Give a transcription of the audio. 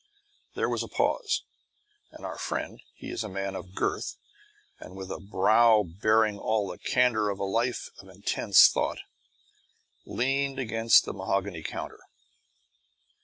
_ There was a pause, and our friend (he is a man of girth and with a brow bearing all the candor of a life of intense thought) leaned against the mahogany counter.